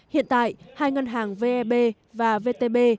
hiện tại hai ngân hàng veb và vtb